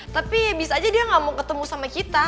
tapi bisa aja dia gak mau ketemu sama kita